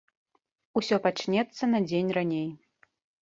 Усё пачнецца на дзень раней.